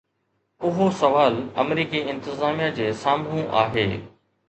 اهو سوال آمريڪي انتظاميه جي سامهون آهي.